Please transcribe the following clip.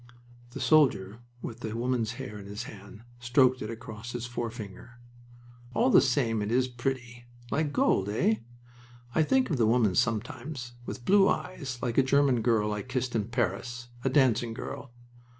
The soldier with the woman's hair in his hand stroked it across his forefinger. "All the same it is pretty. Like gold, eh? I think of the woman, sometimes. With blue eyes, like a German girl I kissed in Paris a dancing girl!"